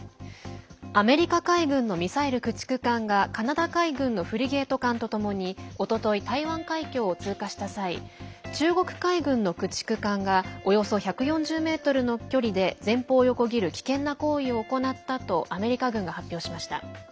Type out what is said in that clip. アメリカ海軍のミサイル駆逐艦がカナダ海軍のフリゲート艦とともにおととい、台湾海峡を通過した際中国海軍の駆逐艦がおよそ１４０ｍの距離で前方を横切る危険な行為を行ったとアメリカ軍が発表しました。